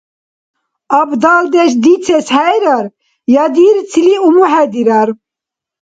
Абдалдеш дицес хӀейрар я дирцили умухӀедирар.